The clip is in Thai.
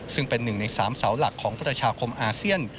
ซึ่งเป็นหนึ่งใน๓เสาหลักของประชาคมอาเซียน